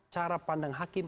cara pandang hakim